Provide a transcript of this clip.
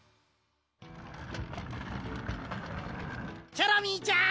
チョロミーちゃん！